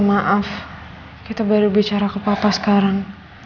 maaf kita baru bicara ke papa sekarang